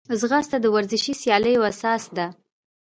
ځغاسته د ورزشي سیالیو اساس ده